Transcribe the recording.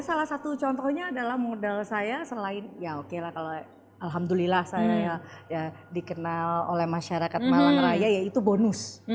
salah satu contohnya adalah modal saya selain ya oke lah kalau alhamdulillah saya ya dikenal oleh masyarakat malang raya ya itu bonus